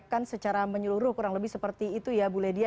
kita akan secara menyeluruh kurang lebih seperti itu ya bu ledia